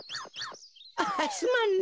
あっすまんね。